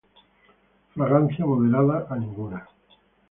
Fragancia moderada a ninguna.